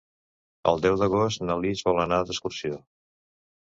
El deu d'agost na Lis vol anar d'excursió.